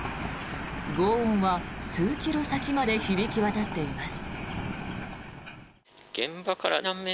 ごう音は数キロ先まで響き渡っています。